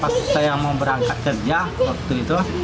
pas saya mau berangkat kerja waktu itu